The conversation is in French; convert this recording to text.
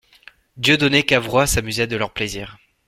Dieudonné Cavrois s'amusait de leurs plaisirs.